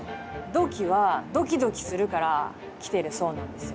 「どきっ！」はドキドキするからきてるそうなんですよ。